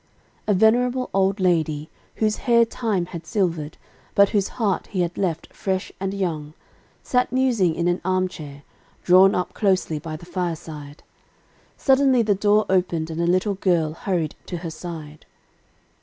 A venerable old lady, whose hair time had silvered, but whose heart he had left fresh and young, sat musing in an armchair, drawn up closely by the fireside. Suddenly the door opened, and a little girl hurried to her side.